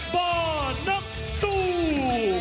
บอร์นักซู